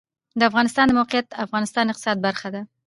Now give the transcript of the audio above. د افغانستان د موقعیت د افغانستان د اقتصاد برخه ده.